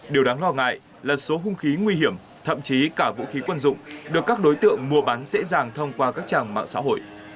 điều đáng lo ngại là số hung khí nguy hiểm thậm chí cả vũ khí quân dụng được các đối tượng mua bán dễ dàng thông qua các trang mạng xã hội